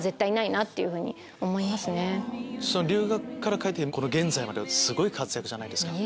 留学から帰って現在まですごい活躍じゃないですか。